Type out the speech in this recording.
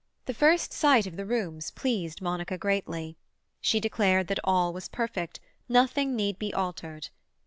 The first sight of the rooms pleased Monica greatly. She declared that all was perfect, nothing need be altered.